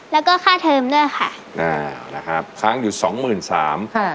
แล้วก็ค่าเทอมด้วยค่ะอ่านะครับค้างอยู่สองหมื่นสามค่ะ